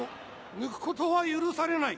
抜くことは許されない。